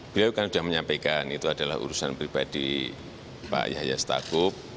beliau kan sudah menyampaikan itu adalah urusan pribadi pak yahya stakuf